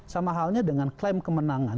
sama halnya dengan klaim kemenangan